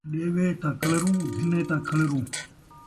ݙیوے تاں کلروں ، گھنے تاں کھلروں